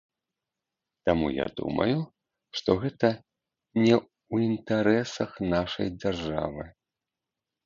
Таму я думаю, што гэта не ў інтарэсах нашай дзяржавы.